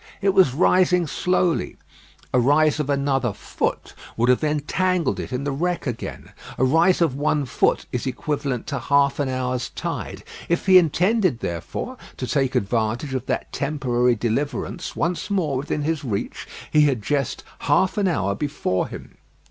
It was rising slowly. A rise of another foot would have entangled it in the wreck again. A rise of one foot is equivalent to half an hour's tide. If he intended, therefore, to take advantage of that temporary deliverance once more within his reach, he had just half an hour before him.